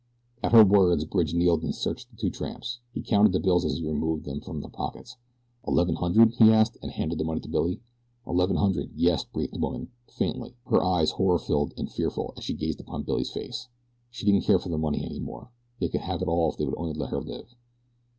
At her words Bridge kneeled and searched the two tramps. He counted the bills as he removed them from their pockets. "Eleven hundred?" he asked, and handed the money to Billy. "Eleven hundred, yes," breathed the woman, faintly, her eyes horror filled and fearful as she gazed upon Billy's face. She didn't care for the money any more they could have it all if they would only let her live.